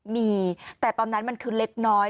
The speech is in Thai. มีแต่ตอนนั้นมันคือเล็กน้อย